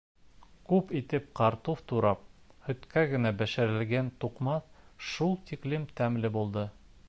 Күп итеп картуф турап, һөткә генә бешерелгән туҡмас шул тиклем тәмле булды.